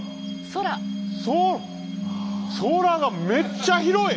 そ空がめっちゃ広い！